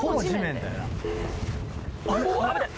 あっ！